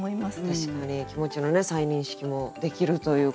確かに気持ちの再認識もできるということで。